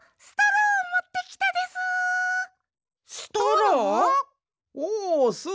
ストロー？